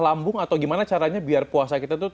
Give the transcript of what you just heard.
lambung atau gimana caranya biar puasa kita tuh